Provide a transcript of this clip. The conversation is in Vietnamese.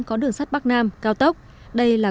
có đường sắt bắc nam cao tốc đây là